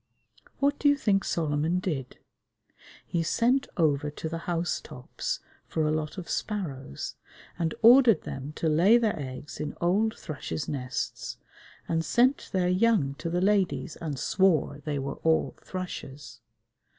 What do you think Solomon did? He sent over to the house tops for a lot of sparrows and ordered them to lay their eggs in old thrushes' nests and sent their young to the ladies and swore they were all thrushes!